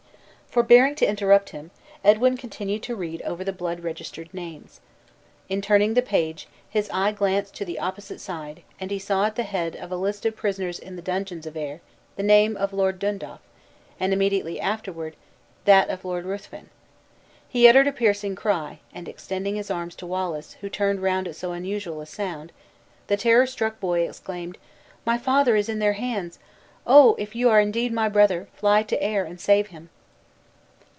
Forbearing to interrupt him, Edwin continued to read over the blood registered names. In turning the page, his eye glanced to the opposite side; and he saw at the head of "A list of prisoners in the dungeons of Ayr," the name of "Lord Dundaff" and immediately after it, that of "Lord Ruthven!" He uttered a piercing cry; and extending his arms to Wallace, who turned round at so unusual a sound, the terror struck boy exclaimed, "My father is in their hands! Oh! If you are indeed my brother, fly to Ayr, and save him!"